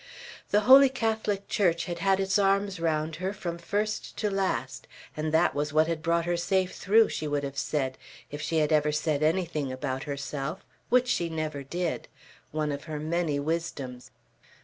The Holy Catholic Church had had its arms round her from first to last; and that was what had brought her safe through, she would have said, if she had ever said anything about herself, which she never did, one of her many wisdoms.